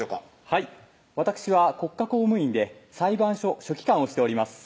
はいわたくしは国家公務員で裁判所書記官をしております